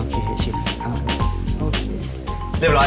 เรียบร้อยหรอ